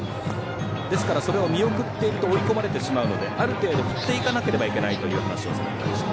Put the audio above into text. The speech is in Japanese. ですからそれを見送っていると追い込まれてしまうのである程度振っていかなければいけないといっていました。